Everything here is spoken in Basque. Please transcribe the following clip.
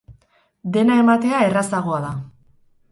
Dena ematea errazagoa da.